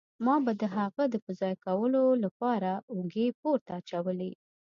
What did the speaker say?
ما به د هغه د په ځای کولو له پاره اوږې پورته اچولې.